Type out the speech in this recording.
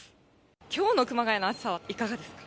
きょうの熊谷の暑さはいかがですか？